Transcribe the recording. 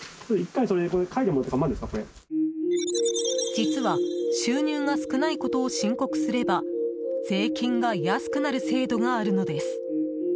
実は、収入が少ないことを申告すれば税金が安くなる制度があるのです。